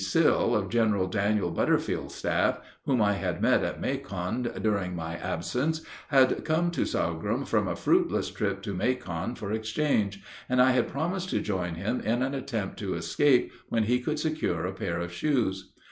Sill, of General Daniel Butterfield's staff, whom I had met at Macon, during my absence had come to "Sorghum" from a fruitless trip to Macon for exchange, and I had promised to join him in an attempt to escape when he could secure a pair of shoes.